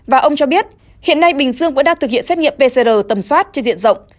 và ông cho biết hiện nay bình dương vẫn đang thực hiện xét nghiệm pcr tầm soát trên diện rộng